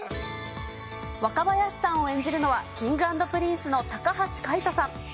若林さんを演じるのは、Ｋｉｎｇ＆Ｐｒｉｎｃｅの高橋海人さん。